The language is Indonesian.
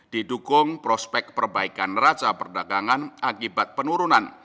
didukung prospek perbaikan neraca perdagangan akibat penurunan